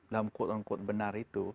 dalam kode kode benar itu